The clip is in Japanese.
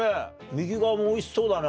右側もおいしそうだね